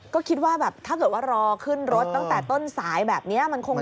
ก็คิดว่าแบบถ้าเกิดว่ารอขึ้นรถตั้งแต่ต้นสายแบบนี้มันคง